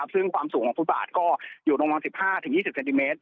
ซึ่งความสูงของฟุตบาทก็อยู่ประมาณ๑๕๒๐เซนติเมตร